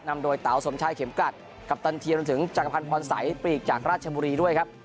นำโดยเต๋าสมชายเข็มกลัดกัปตันเทียมรวมถึงจักรพันธ์พรสัยปีกจากราชบุรีด้วยครับ